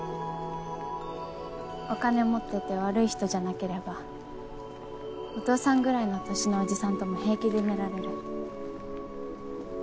お金持ってて悪い人じゃなければお父さんぐらいの年のおじさんとも平気で寝られる。